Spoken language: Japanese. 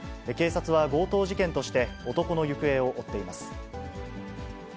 警察は強盗事件として男の行方を追っています。